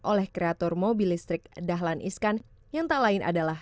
oleh kreator mobil listrik dahlan iskan yang tak lain adalah